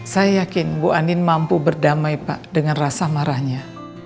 saya yakin bu andin mampu berdamai pak dengan rasa marahnya